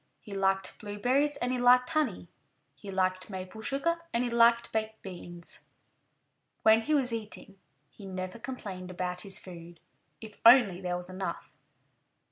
He liked blueberries and he liked honey; he liked maple sugar and he liked baked beans. When he was eating he never complained about his food if only there was enough.